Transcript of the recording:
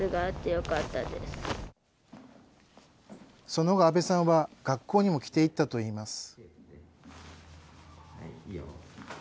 その後、阿部さんは学校にも着て行ったといいます。